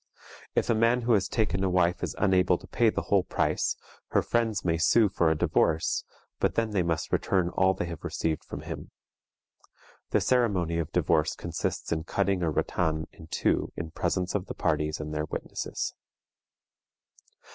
If a man who has taken a wife is unable to pay the whole price, her friends may sue for a divorce, but then they must return all they have received from him. The ceremony of divorce consists in cutting a ratan in two in presence of the parties and their witnesses.